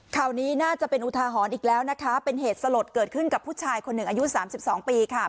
ข่าวนี้น่าจะเป็นอุทาหรณ์อีกแล้วนะคะเป็นเหตุสลดเกิดขึ้นกับผู้ชายคนหนึ่งอายุสามสิบสองปีค่ะ